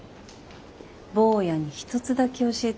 坊やに一つだけ教えてあげる。